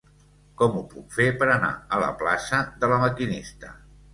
Com ho puc fer per anar a la plaça de La Maquinista?